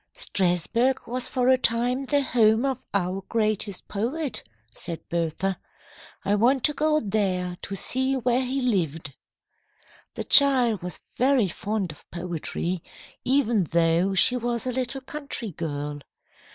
"Strasburg was for a time the home of our greatest poet," said Bertha. "I want to go there to see where he lived." The child was very fond of poetry, even though she was a little country girl.